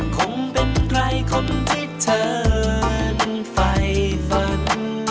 คงเป็นใครคนที่เธอไฟฝัน